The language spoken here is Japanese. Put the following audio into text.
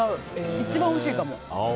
一番おいしいかも。